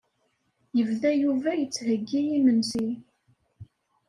Yebda Yuba yettheyyi imensi.